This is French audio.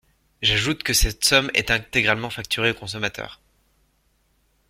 J’ajoute que cette somme est intégralement facturée au consommateur.